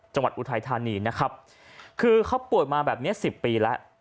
อุทัยธานีนะครับคือเขาป่วยมาแบบเนี้ยสิบปีแล้ว